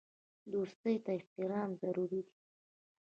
دوستۍ ته احترام ضروري دی.